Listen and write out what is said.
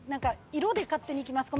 色で勝手にいきます。